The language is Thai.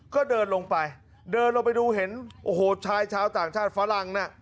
ก็เดินลงไปเดินลงไปดูเห็นโอ้โหชายชาวต่างชาติฝรั่งน่ะ